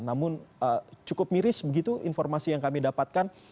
namun cukup miris begitu informasi yang kami dapatkan